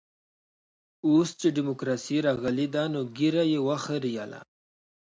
اوس چې ډيموکراسي راغلې ده نو ږيره يې وخرېیله.